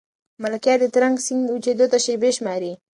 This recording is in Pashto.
ملکیار د ترنک سیند وچېدو ته شېبې شماري.